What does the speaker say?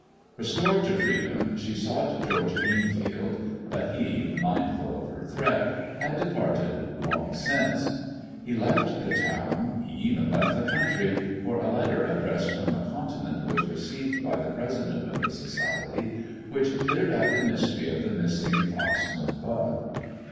Restored to freedom, she sought George he, mindful of her threat, had departed long left the town, he even left the country, for a dressed from the Continent was received by the of the society, which cleared up the mystery of the Foxton bud.